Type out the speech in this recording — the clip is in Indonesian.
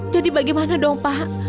jadi bagaimana dong pak